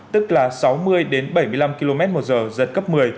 tức là sáu mươi đến bảy mươi năm km một giờ giật cấp một mươi